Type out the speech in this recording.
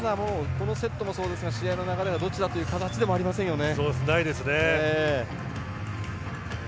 このセットもそうですが試合の流れがどっちだという形でもありませんよね。